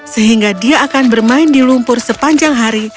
sehingga dia akan bermain di lumpur sepanjang hari